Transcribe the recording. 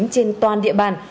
trên toàn địa bàn